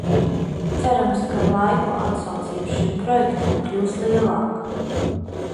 Cerams, ka ar laiku atsaucība šim projektam kļūs lielāka.